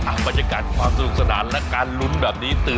ให้การบรรยาการความสุขสนานและการลุ้นตื่นเท่น